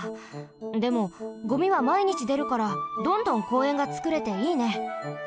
でもゴミはまいにちでるからどんどんこうえんがつくれていいね。